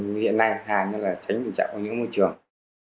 hiện nay hàn hàn là tránh tình trạng của những môi trường